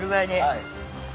はい。